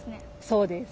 そうです。